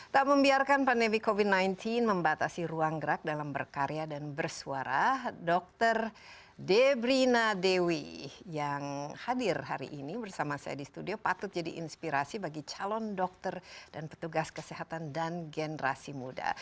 tak membiarkan pandemi covid sembilan belas membatasi ruang gerak dalam berkarya dan bersuara dr debrina dewi yang hadir hari ini bersama saya di studio patut jadi inspirasi bagi calon dokter dan petugas kesehatan dan generasi muda